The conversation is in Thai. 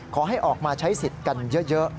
ขอให้ออกมาใช้สิทธิ์กันเยอะ